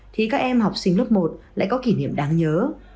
thì các em học sinh lớp một lại có kỷ niệm đáng nhớ